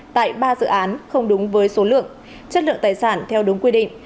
tại ba dự án không đúng với số lượng chất lượng tài sản theo đúng quy định